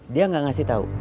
dia gak ngasih tau